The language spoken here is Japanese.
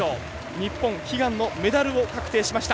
日本、悲願のメダル確定しました。